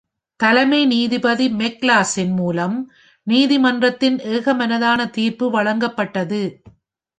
தலைமை நீதிபதி மெக்லாச்லின் மூலம் நீதிமன்றத்தின் ஏகமனதான தீர்ப்பு வழங்கப்பட்டது.